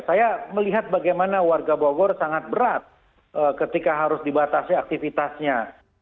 saya melihat bagaimana warga bogor sangat berat ketika harus dibatasi aktivitasnya